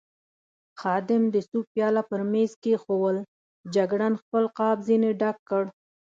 خادم د سوپ پیاله پر مېز کېښوول، جګړن خپل غاب ځنې ډک کړ.